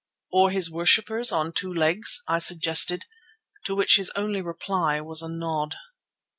"Or his worshippers on two legs," I suggested, to which his only reply was a nod.